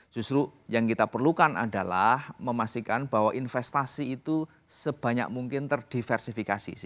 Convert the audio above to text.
justru yang kita perlukan adalah memastikan bahwa investasi itu sebanyak mungkin terdiversifikasi